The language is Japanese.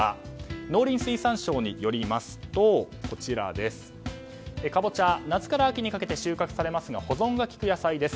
農林水産省によりますとカボチャ、夏から秋にかけて収穫されますが保存がきく野菜です。